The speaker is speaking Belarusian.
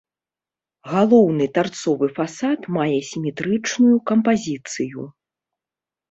Галоўны тарцовы фасад мае сіметрычную кампазіцыю.